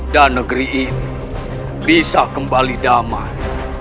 dan negeri ini bisa kembali damai